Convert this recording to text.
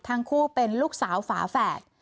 ทั้งคู่เป็นลูกสาวฝาแฝด